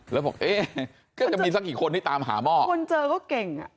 แล้วบอกเอ๊ะก็จะมีสักกี่คนที่ตามหาหม้อคนเจอก็เก่งอ่ะ